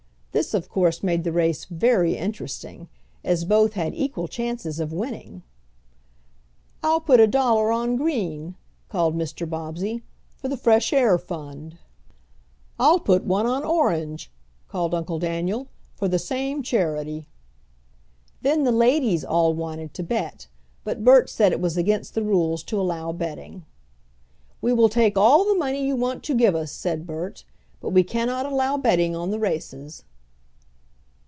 This of course made the race very interesting, as both had equal chances of winning. "I'll put a dollar on green," called Mr. Bobbsey. "For the fresh air fund." "I'll put one on orange," called Uncle Daniel, "for the same charity." Then the ladies all wanted to bet, but Bert said it was against the rules to allow betting. "We will take all the money you want to give us," said Bert, "but we cannot allow betting on the races."